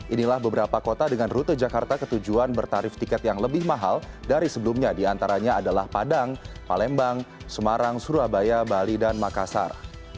inilah beberapa kota dengan rute jakarta ketujuan bertarif tiket yang lebih mahal dari sebelumnya diantaranya adalah padang palembang semarang surabaya bali dan makassar